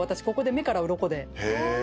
ここで目からうろこで。